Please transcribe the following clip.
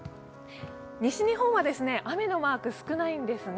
西日本は雨のマーク、少ないんですが